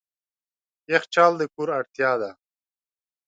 یخچال د کور اړتیا ده.